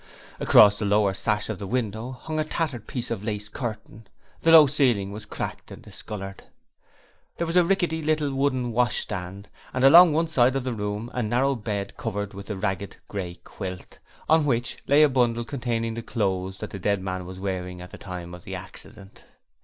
Across the lower sash of the window hung a tattered piece of lace curtain. The low ceiling was cracked and discoloured. There was a rickety little wooden washstand, and along one side of the room a narrow bed covered with a ragged grey quilt, on which lay a bundle containing the clothes that the dead man was wearing at the time of the accident.